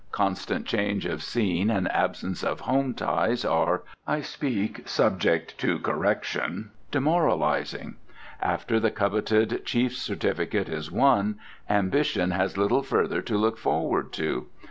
Constant change of scene and absence of home ties are (I speak subject to correction) demoralizing; after the coveted chief's certificate is won, ambition has little further to look forward to.